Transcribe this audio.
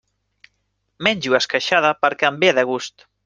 Menjo esqueixada perquè em ve de gust.